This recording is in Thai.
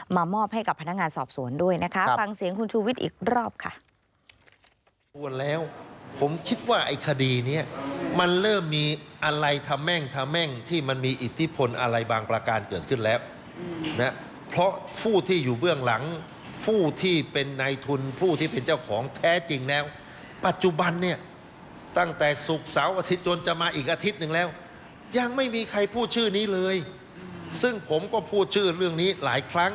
มอบให้กับพนักงานสอบสวนด้วยนะคะฟังเสียงคุณชูวิทย์อีกรอบค่ะ